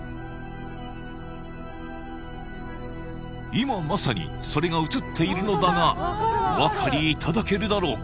今まさにそれが映っているのだがお分かりいただけるだろうか？